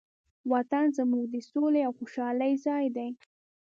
وطن زموږ د سولې او خوشحالۍ ځای دی.